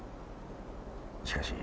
しかし。